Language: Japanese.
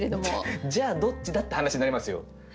じゃあどっちだって話になりますよ。